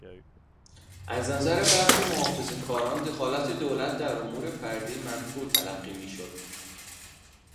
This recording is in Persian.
از نظر برخی محافظه کاران دخالت دولت در امور فردی منفور تلقی میشد.